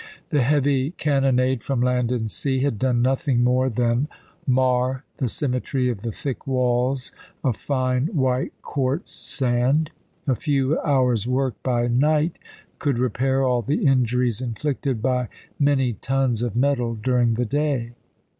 The heavy cannonade from land and sea had done nothing more than mar the symmetry of the thick walls of fine, white quartz sand ; a few hours' work by night could repair all the injuries in flicted by many tons of metal during the day.